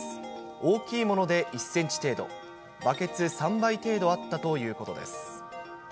大きいもので１センチ程度、バケツ３杯程度あったということです。